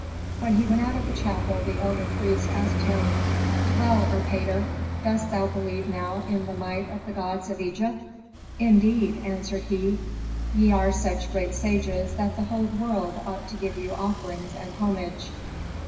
When he went out of the chapel the elder priest asked him, "Well, Erpatr, dost thou believe now in the might of the gods of Egypt?" "Indeed," answered he, "ye are such great sages that the whole world ought to give you offerings and homage.